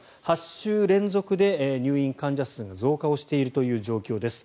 ８週連続で入院患者数が増加をしているという状況です。